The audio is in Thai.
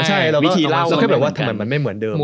ใช่แล้วก็แค่แบบว่ามันไม่เหมือนเดิม